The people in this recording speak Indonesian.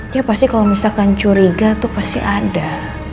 ya pasti kalo misalkan curiga tuh pasti ada